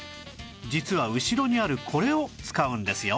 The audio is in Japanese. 実は後ろにあるこれを使うんですよ